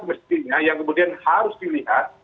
mestinya yang kemudian harus dilihat